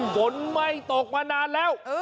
ฝนไม่ตกมานานแล้ว